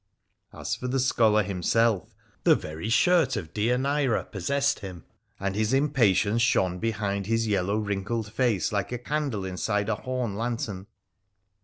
A s for the scholar himself, the very shirt of Dejanira possessed him, and his impatience shone behind his yellow wrinkled face like a candle inside a horn lantern.